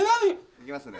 いきますね？